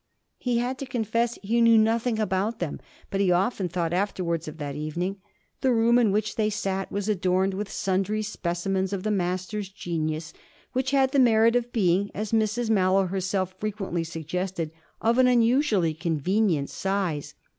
He had to confess he knew nothing about them, but he often thought afterwards of that evening. The room in which they sat was adorned with sundry specimens of the Master's genius, which had the merit of being, as Mrs Mallow herself frequently suggested, of an unusually convenient size.